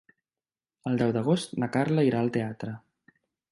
El deu d'agost na Carla irà al teatre.